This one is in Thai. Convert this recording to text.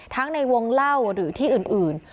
ในวงเล่าหรือที่อื่น